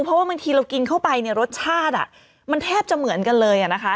เพราะว่าบางทีเรากินเข้าไปเนี่ยรสชาติมันแทบจะเหมือนกันเลยนะคะ